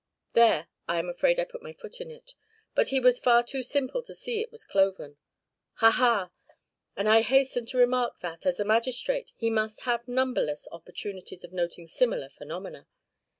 There I am afraid I put my foot in it, but he was far too simple to see it was cloven ha! ha! and I hastened to remark that, as a magistrate, he must have numberless opportunities of noting similar phenomena.